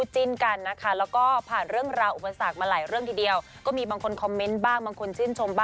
เฮ้ยจ๋อ